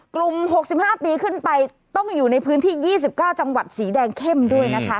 กลุ่ม๖๕ปีขึ้นไปต้องอยู่ในพื้นที่๒๙จังหวัดสีแดงเข้มด้วยนะคะ